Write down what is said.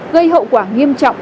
gây hậu quả nghiêm trọng